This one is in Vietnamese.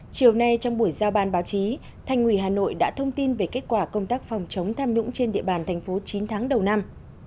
chiều nay trong buổi giao ban báo chí thành ủy hà nội đã thông tin về kết quả công tác phòng chống tham nhũng trên địa bàn thành phố chín tháng đầu năm